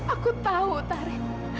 aku tahu utari